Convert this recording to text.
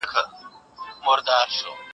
قرآن کريم د تربيې اړوند مهمي لارښووني لري.